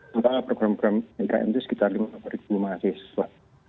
serta program program bkm itu sekitar lima ratus mahasiswa